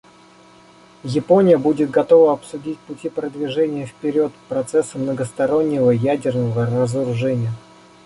Япония будет готова обсудить пути продвижения вперед процесса многостороннего ядерного разоружения.